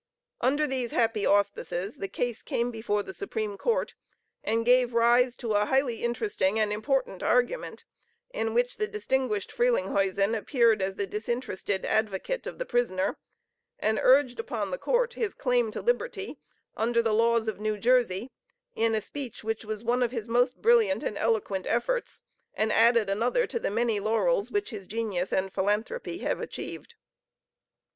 Under these happy auspices, the case came before the Supreme Court, and gave rise to a highly interesting and important argument; in which the distinguished Frelinghuysen appeared as the disinterested advocate of the prisoner, and urged upon the court his claim to liberty, under the laws of New Jersey, in a speech which was one of his most brilliant and eloquent efforts, and added another to the many laurels which his genius and philanthropy have achieved.